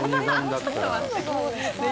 ちょっと待って！